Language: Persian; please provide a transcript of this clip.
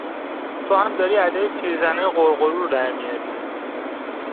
تو هم داری ادای پیرزنای غُرغُرو رو در میاری